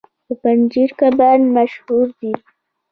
د پنجشیر کبان مشهور دي